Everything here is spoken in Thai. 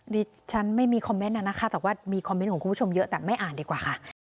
ดิฉันไม่มีคอมเมนต์นะคะแต่ว่ามีคอมเมนต์ของคุณผู้ชมเยอะแต่ไม่อ่านดีกว่าค่ะ